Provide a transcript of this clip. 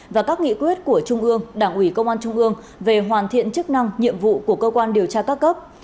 và các nghị quyết của trung ương đảng ủy công an trung ương về hoàn thiện chức năng nhiệm vụ của cơ quan điều tra các cấp